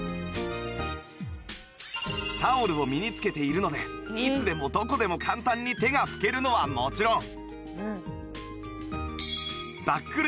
タオルを身につけているのでいつでもどこでも簡単に手が拭けるのはもちろん